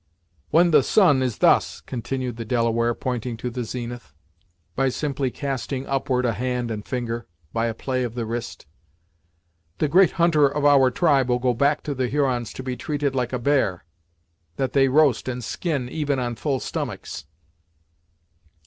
"When the sun is thus," continued the Delaware, pointing to the zenith, by simply casting upward a hand and finger, by a play of the wrist, "the great hunter of our tribe will go back to the Hurons to be treated like a bear, that they roast and skin even on full stomachs."